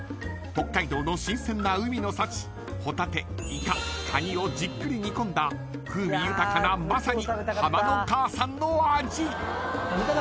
［北海道の新鮮な海の幸ホタテイカカニをじっくり煮込んだ風味豊かなまさに浜のかあさんの味］